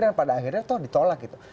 dan pada akhirnya toh ditolak gitu